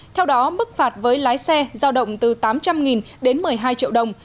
theo đó mức phạt với lái xe giao động từ tám trăm linh đến một mươi hai triệu đồng